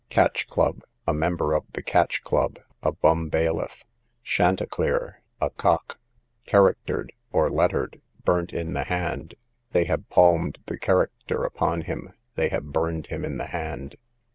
Catch Club, a member of the catch club; a bum bailiff. Chanticleer, a cock. Charactered, or Lettered, burnt in the hand. They have palmed the character upon him, they have burned him in the hand.